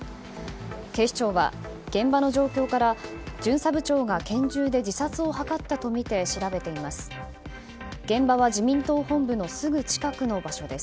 警視庁は現場の状況から巡査部長が拳銃で自殺を図ったとみて調べています。